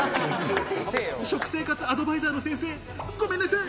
食生活アドバイザーの先生、ごめんなさい。